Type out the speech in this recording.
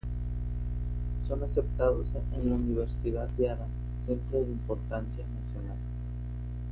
Son aceptados en la Universidad de Adams, centro de importancia nacional.